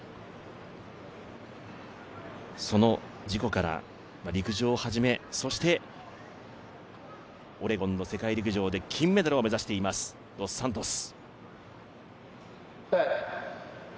その事故から陸上を始めそしてオレゴンの世界陸上で金メダルを目指していますドス・サントス。